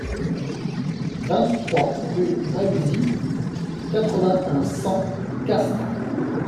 vingt-trois rue Mahuzies, quatre-vingt-un, cent, Castres